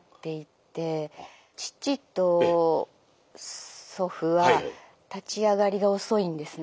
父と祖父は立ち上がりが遅いんですね。